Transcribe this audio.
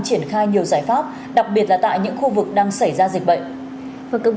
triển khai nhiều giải pháp đặc biệt là tại những khu vực đang xảy ra dịch bệnh